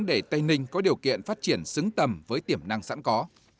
để tây ninh có điều kiện phát triển xứng tầm với tiềm năng sẵn có